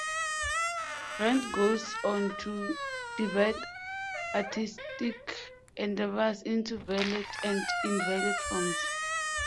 Rand goes on to divide artistic endeavors into "valid" and "invalid" forms.